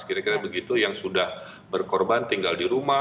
kira kira begitu yang sudah berkorban tinggal di rumah